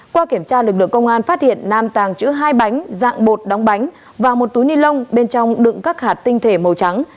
qua kiểm tra lực lượng công an phát hiện nam tàng trữ hai bánh dạng bột đóng bánh và một túi ni lông bên trong đựng các hạt tinh thể màu trắng